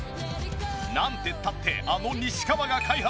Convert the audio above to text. なんてったってあの西川が開発。